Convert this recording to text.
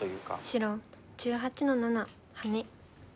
白１８の七ハネ。